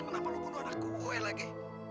kenapa lu bunuh anakku gue lagi